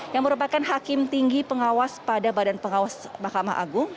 yang merupakan hakim tinggi pengawas pada badan pengawas mahkamah agung